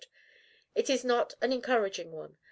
It is not an encouraging one.